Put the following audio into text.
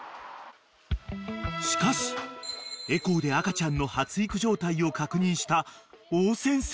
［しかしエコーで赤ちゃんの発育状態を確認したおぅ先生から］